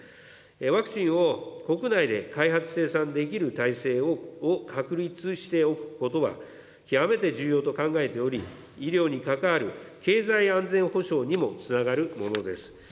ワクチンを国内で開発、生産できる体制を確立しておくことは、極めて重要と考えており、医療にかかわる経済安全保障にもつながるものです。